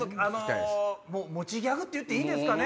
持ちギャグって言っていいんですかね。